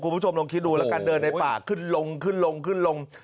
คุณผู้ชมลองคิดดูแล้วกันเดินในป่าขึ้นลงขึ้นลงขึ้นลง